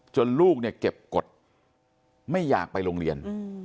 ลูกเนี่ยเก็บกฎไม่อยากไปโรงเรียน